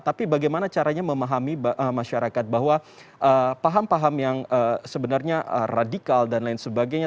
tapi bagaimana caranya memahami masyarakat bahwa paham paham yang sebenarnya radikal dan lain sebagainya